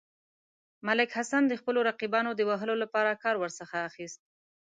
ملک محسن د خپلو رقیبانو د وهلو لپاره کار ورڅخه اخیست.